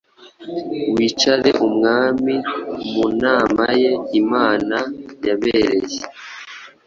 Wicare umwami mu nama ye inama yabereye